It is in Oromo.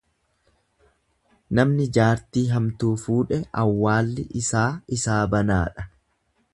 Namni jaartii hamtuu fuudhe awwaalli isaa isaa banaadha.